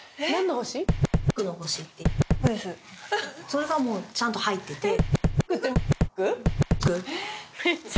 それがもうちゃんと入ってて。